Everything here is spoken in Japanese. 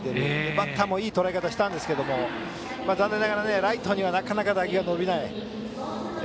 バッターもいいとらえ方したんですけど残念ながらライトはなかなか打球が伸びない。